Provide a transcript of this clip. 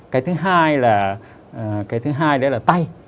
cái thứ hai là cái thứ hai nữa là tay